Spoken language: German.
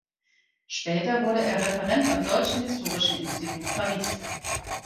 Später wurde er Referent am Deutschen Historischen Institut Paris.